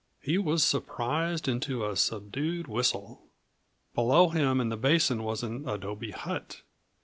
He was surprised into a subdued whistle. Below him in the basin was an adobe hut.